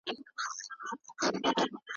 اقتصادي خپلواکي د ملي خپلواکۍ ضمانت کوي.